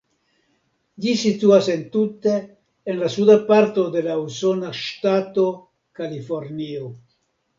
Ĝi situanta entute en la suda parto de la usona ŝtato Kalifornio.